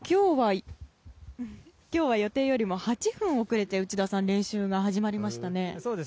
今日は予定よりも８分遅れて、内田さん練習が始まりましたね。